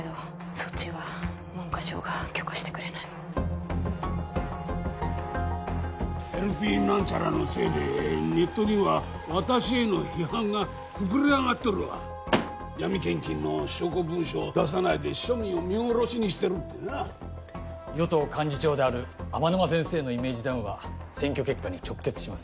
そっちは文科省が許可してくれないＬＰなんちゃらのせいでネットには私への批判が膨れ上がっとるわ闇献金の証拠文書を出さないで庶民を見殺しにしてるってな与党幹事長である天沼先生のイメージダウンは選挙結果に直結します